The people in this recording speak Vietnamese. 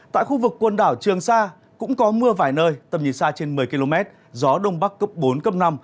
tại khu vực quần đảo trường sa cũng có mưa vài nơi tầm nhìn xa trên một mươi km gió đông bắc cấp bốn cấp năm